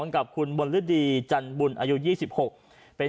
กับคุณบนฤดีจันบุญอายุ๒๖เป็น